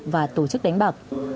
và tổ chức đánh bạc